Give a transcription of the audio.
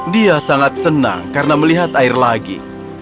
dia sangat senang karena melihat air lagi